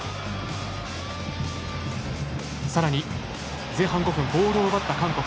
さらに、前半５分ボールを奪った韓国。